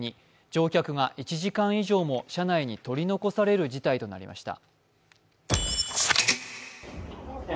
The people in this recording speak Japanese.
乗客が１時間以上も車内に取り残される事態となりました。